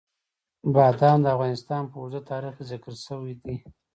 بادام د افغانستان په اوږده تاریخ کې ذکر شوی دی.